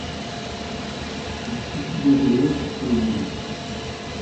Il suffit d'intégrer sur tout le volume.